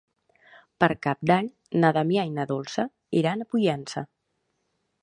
Per Cap d'Any na Damià i na Dolça iran a Pollença.